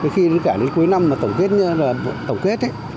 khi đến cuối năm tổng kết